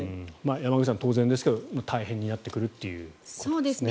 山口さん、当然ですけど大変になってくるということですね。